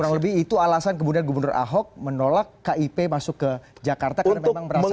kurang lebih itu alasan kemudian gubernur ahok menolak kip masuk ke jakarta karena memang merasa tidak